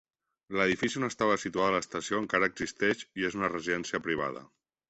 L'edifici on estava situada l'estació encara existeix i és una residència privada.